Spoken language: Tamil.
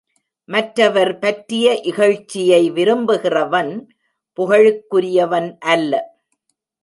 மற்றவர் பற்றிய இகழ்ச்சியை விரும்புகிறவன், புகழுக்குரியவன் அல்ல.